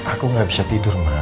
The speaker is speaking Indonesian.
aku gak bisa tidur ma